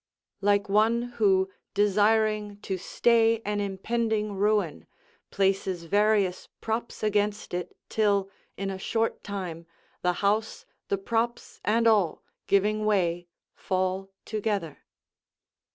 ["Like one who, desiring to stay an impending ruin, places various props against it, till, in a short time, the house, the props, and all, giving way, fall together."